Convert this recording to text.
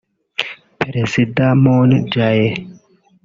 Perezida Moon Jae